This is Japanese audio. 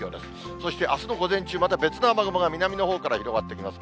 そしてあすの午前中、別の雨雲が南のほうから広がってきます。